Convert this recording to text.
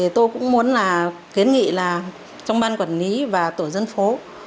tôi cũng muốn kiến nghị trong ban quản lý và tổ dân phố